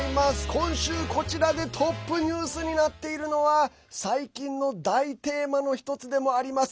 今週、こちらでトップニュースになっているのは最近の大テーマの１つでもあります